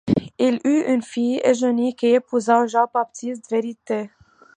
Il eut une fille, Eugénie, qui épousa Jean Baptiste Vérité.